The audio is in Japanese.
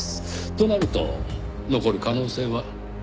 となると残る可能性は１つ。